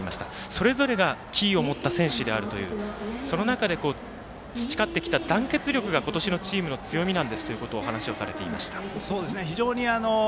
それぞれがキーを持った選手であるというその中で培ってきた団結力のある今年のチームの強みなんですということを話をされていました。